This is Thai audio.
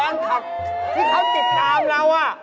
แฟนคลับที่เขาติดตามเรา